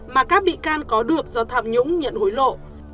mà các bị can có được do tham nhũng nhận hối lộ